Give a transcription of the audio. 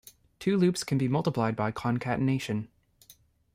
Two loops can be multiplied by concatenation.